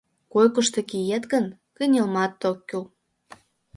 Койкышто киет гын, кынелмат ок кӱл.